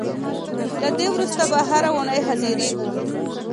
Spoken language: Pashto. له دې وروسته به هر اوونۍ حاضرېږو.